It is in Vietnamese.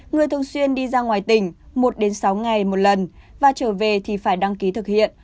người thường xuyên đi ra ngoài tỉnh một sáu ngày một lần và trở về thì phải đăng ký thực hiện